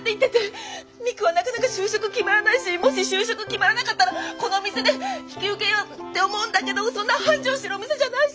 未来はなかなか就職決まらないしもし就職決まらなかったらこのお店で引き受けようって思うんだけどそんな繁盛してるお店じゃないし！